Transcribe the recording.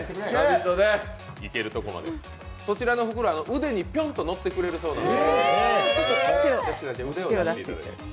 こちらのフクロウ、腕にぴょんと乗ってくれるそうなんで。